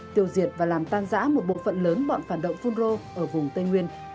tiêu diệt và làm tan giã một bộ phận lớn bọn phản động phun rô ở vùng tây nguyên